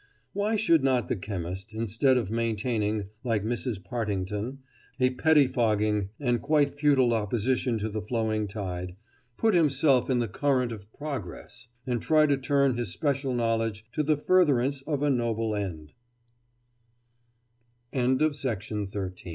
Why should not the chemist, instead of maintaining, like Mrs. Partington, a pettifogging and quite futile opposition to the flowing tide, put himself in the current of progress, and try to turn his special knowledge to the furtherance of a noble end?